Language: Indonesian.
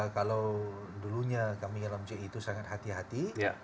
kalau dulunya kami dalam ji itu sangat hati hati